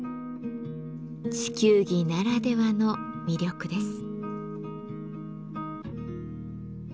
地球儀ならではの魅力です。